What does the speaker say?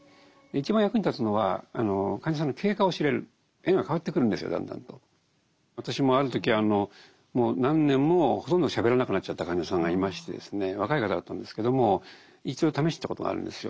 一番役に立つのは私もある時もう何年もほとんどしゃべらなくなっちゃった患者さんがいましてですね若い方だったんですけども一度試したことがあるんですよ。